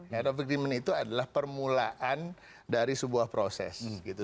head of agreement itu adalah permulaan dari sebuah proses gitu